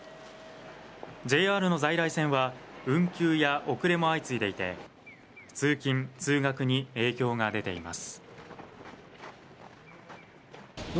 ＪＲの在来線は運休や遅れも相次いでいて通勤・通学に影響が出ています